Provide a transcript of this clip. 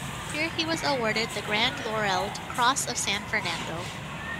Here he was awarded the Grand Laurelled Cross of San Fernando.